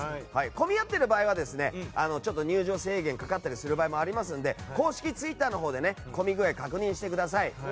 混み合う場合は入場制限がかかったりすることもありますので公式ツイッターのほうで混み具合を確認してください。